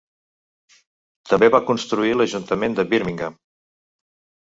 També va construir l'Ajuntament de Birmingham.